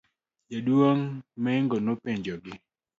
jaduong' Mengo nopenjogi